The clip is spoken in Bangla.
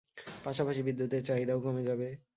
পাশাপাশি বিদ্যুতের চাহিদাও কমে যাবে।